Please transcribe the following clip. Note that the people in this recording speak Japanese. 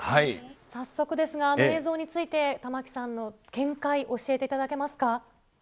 早速ですが、映像について、玉城さんの見解、教えていただけますか。